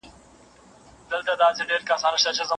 نیم وجود دي په زړو جامو کي پټ دی